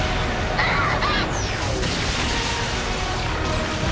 あっ。